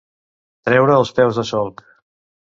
Treure els peus de solc.